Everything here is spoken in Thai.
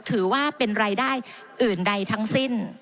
ถือว่าเป็นรายได้อื่นใดทั้งสิ้น